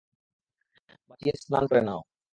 বাড়ি গিয়ে স্নান করে নাও।